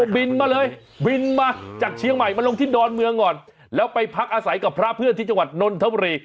บินมาเลยบินมาจากเชียงใหม่มาลงที่ดอนเมืองก่อนแล้วไปพักอาศัยกับพระเพื่อนที่จังหวัดนนทบุรี